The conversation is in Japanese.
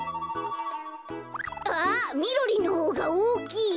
あっみろりんのほうがおおきい！